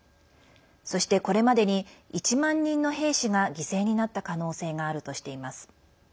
そして、これまでに１万人の兵士が犠牲になった可能性があるとしています。